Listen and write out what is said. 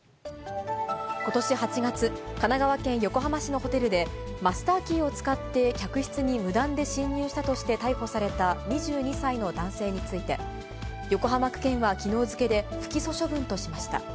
ことし８月、神奈川県横浜市のホテルで、マスターキーを使って客室に無断で侵入したとして逮捕された２２歳の男性について、横浜区検はきのう付けで不起訴処分としました。